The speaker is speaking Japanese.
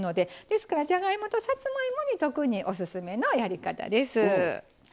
ですからじゃがいもとさつまいもに特におすすめのやり方です。